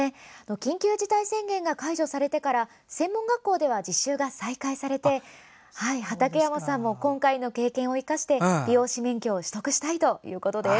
緊急事態宣言が解除されてから専門学校では実習が再開されて畠山さんも今回の経験を生かして美容師免許を取得したいということです。